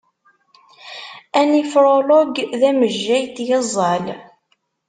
Anifrolog d amejjay n tgeẓẓal.